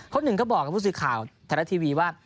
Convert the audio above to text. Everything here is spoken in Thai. หนึ่งก็บอกกับผู้สื่อข่าวไทยรัฐทีวีว่า